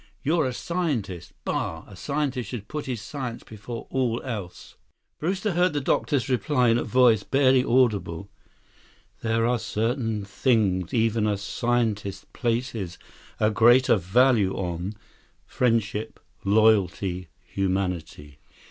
You're a scientist. Bah! A scientist should put his science before all else." 129 Brewster heard the doctor's reply in a voice barely audible: "There are certain things even a scientist places a greater value on—friendship, loyalty, humanity."